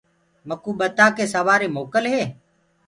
مڪوُ ڀتآن ڪي سوري موڪل هي۔